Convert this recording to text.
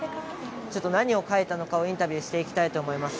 何を書いたのかインタビューしていきたいと思います。